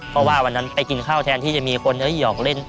เพราะว่าวันนั้นไปกินข้าวแทนที่จะมีคนหยอกเล่น